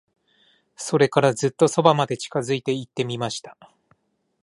それから、ずっと側まで近づいて行ってみました。